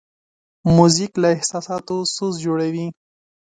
موزیک له احساساتو سوز جوړوي.